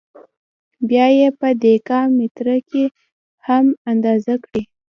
بیا یې په دېکا متره کې هم اندازه کړئ.